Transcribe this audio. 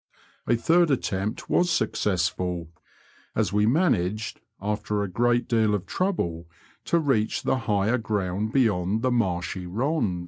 A third attempt was snocessfol, as we managed* after a great deal of trouble, to reach the higher groimd bejond the marshj rond.